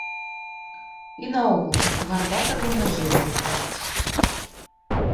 І наогул, гарбатага магіла выправіць.